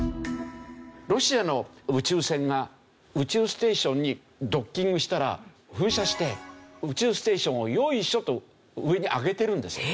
ロシアの宇宙船が宇宙ステーションにドッキングしたら噴射して宇宙ステーションをよいしょと上に上げてるんですよ。